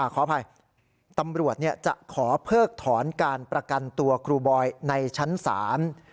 ขออภัยตำรวจจะขอเพิกถอนการประกันตัวครูบอยในชั้นศาล